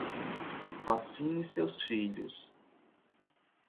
Vacine seus filhos